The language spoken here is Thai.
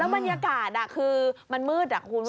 แล้วบรรยากาศคือมันมืดครับคุณผู้ชม